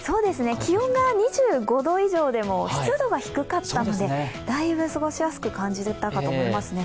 気温が２５度以上でも湿度が低かったのでだいぶ過ごしやすく感じたと思いますね。